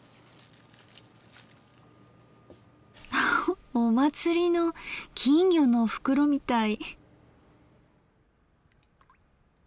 ハハお祭りの金魚の袋みたい。